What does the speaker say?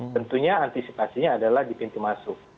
tentunya antisipasinya adalah di pintu masuk